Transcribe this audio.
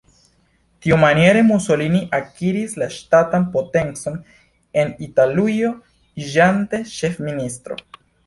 Tiumaniere Mussolini akiris la ŝtatan potencon en Italujo iĝante ĉefministro.